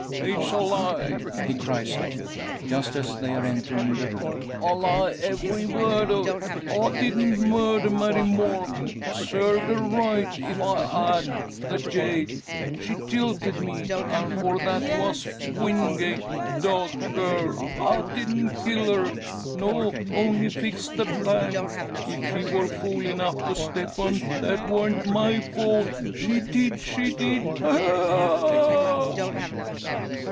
"It's a lie!" he cries out, just as they are entering the room. "A lie, every word o't! I didn't murder Mary Morgan. Served her right if I had, the jade! She jilted me; an' for that wasp Wingate dog cur! I didn't kill her. No; only fixed the plank. If she wor fool enough to step on't that warn't my fault. She did she did! Ha! ha! ha!"